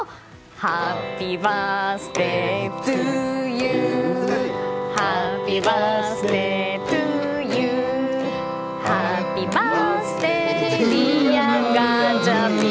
ハッピーバースデートゥーユーハッピーバースデートゥーユーハッピーバースデーディアガチャピン！